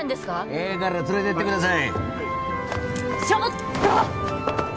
ええから連れてってくださいちょっと！